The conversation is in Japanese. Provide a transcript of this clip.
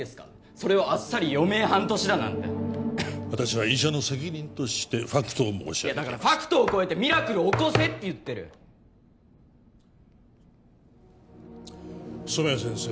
それをあっさり余命半年だなんて私は医者の責任としてファクトを申し上げてますだからファクトを超えてミラクルを起こせって言ってる染谷先生